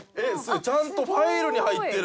ちゃんとファイルに入ってる！